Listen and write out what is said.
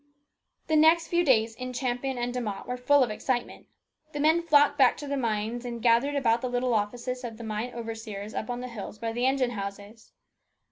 The next few days in Champion and De Mott were full of excitement. The men flocked back to the mines and gathered about the little offices of the mine overseers up on the hills by the engine houses.